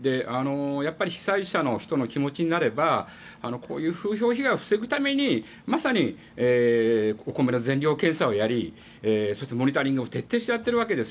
被災者の人の気持ちになればこういう風評被害を防ぐためにまさにお米の全量検査をやりそして、モニタリングを徹底してやっているわけです。